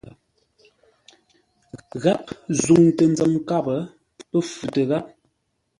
Gháp zûŋtə nzəm nkâp pə́ futə gháp.